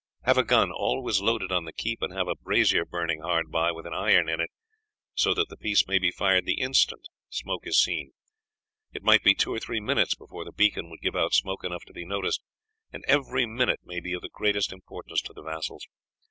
Have a gun always loaded on the keep, and have a brazier burning hard by, with an iron in it, so that the piece may be fired the instant smoke is seen. It might be two or three minutes before the beacon would give out smoke enough to be noticed, and every minute may be of the greatest importance to the vassals.